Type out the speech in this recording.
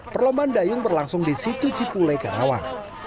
perlombaan dayung berlangsung di situ cipule karawang